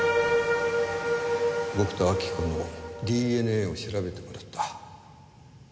僕と明子のＤＮＡを調べてもらった。